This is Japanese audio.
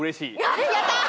やったー！